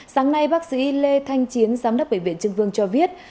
sáng nay bác sĩ lê thanh chiến giám đốc bệnh viện trương vương cho viết